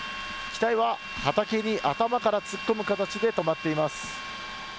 機体は畑に頭から突っ込む形で止まっています。